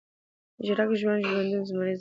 ژړک ، ژوند ، ژوندون ، زمری ، زمريالی ، زمرک